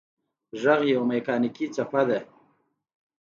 غږ یوه مکانیکي څپه ده.